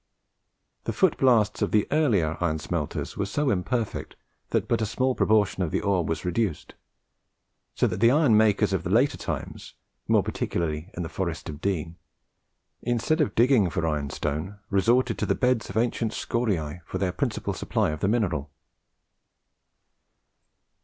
The foot blasts of the earlier iron smelters were so imperfect that but a small proportion of the ore was reduced, so that the iron makers of later times, more particularly in the Forest of Dean, instead of digging for ironstone, resorted to the beds of ancient scoriae for their principal supply of the mineral.